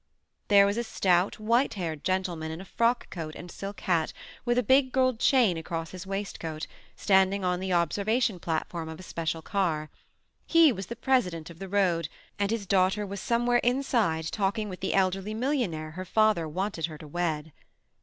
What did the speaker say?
There was a stout, white haired gentle man in a frock coat and silk hat with a big gold chain across his waistcoat, standing on the observation platform of a special car. He was the president of the road, and his daughter was somewhere inside talking with the elderly millionaire her father wanted her to wed.